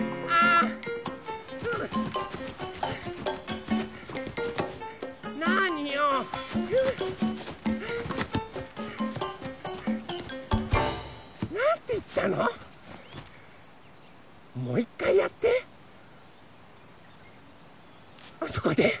あそこで？